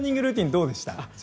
どうでした。